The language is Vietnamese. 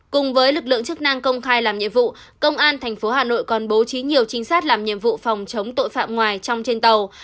cùng với lực lượng chức năng công khai làm nhiệm vụ công an tp hà nội còn bố trí nhiều trinh sát làm nhiệm vụ phòng chống tội phạm ngoài trong trên tàu